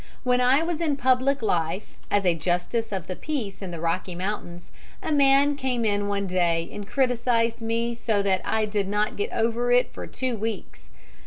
When I was in public life, as a justice of the peace in the Rocky Mountains, a man came in one day and criticised me so that I did not get over it for two weeks.